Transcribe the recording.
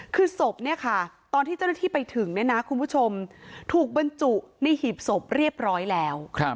คือศพเนี่ยค่ะตอนที่เจ้าหน้าที่ไปถึงเนี่ยนะคุณผู้ชมถูกบรรจุในหีบศพเรียบร้อยแล้ว